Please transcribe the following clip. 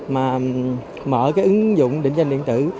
mà mở cái ứng dụng định danh điện tử